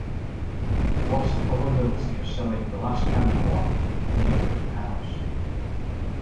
"What's the probability of selling the last candy bar at the" "n"th "house?